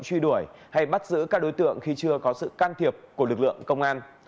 truy đuổi hay bắt giữ các đối tượng khi chưa có sự can thiệp của lực lượng công an